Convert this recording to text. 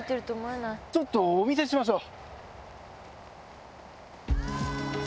ちょっとお見せしましょう。